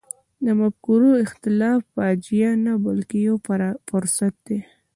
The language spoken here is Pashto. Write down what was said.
د مفکورو اختلاف فاجعه نه بلکې یو فرصت دی.